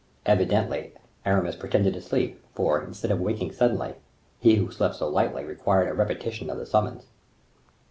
Evidently Aramis pretended to sleep; for, instead of waking suddenly, he who slept so lightly required a repetition of the summons.